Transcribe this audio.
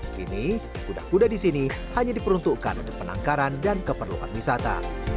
kini kuda kuda di sini hanya diperuntukkan untuk penangkaran dan keperluan wisata